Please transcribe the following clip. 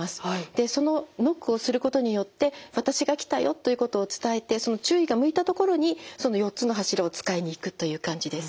でそのノックをすることによって私が来たよということを伝えてその注意が向いたところにその４つの柱を使いにいくという感じです。